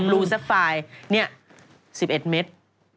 บลูซาไฟล์นี่๑๑เมตร